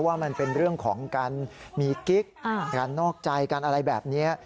ว่ามันเป็นเรื่องของการมีกิ๊กการนอกใจการอะไรแบบนี้